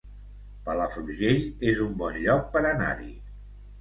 Palafrugell es un bon lloc per anar-hi